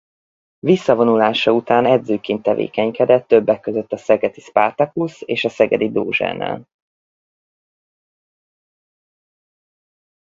Visszavonulása után edzőként tevékenykedett többek között a Szegedi Spartacus és a Szegedi Dózsánál.